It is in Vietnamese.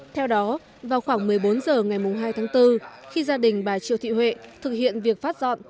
theo đó vào khoảng một mươi bốn h ngày hai tháng bốn khi gia đình bà triệu thị huệ thực hiện việc phát dọn